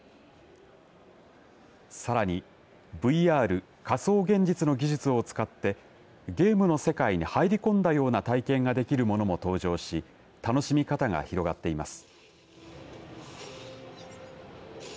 さらにＶＲ、仮想現実の技術を使ってゲームの世界に入り込んだような体験ができるものも登場し楽しみ方が広がっています。